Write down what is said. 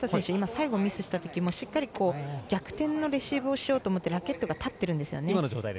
最後、ミスした時もしっかり逆転のレシーブをしようと思ってラケットが立っているんですね。